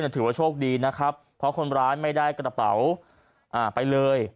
ถือว่าโชคดีนะครับเพราะคนร้ายไม่ได้กระเป๋าไปเลย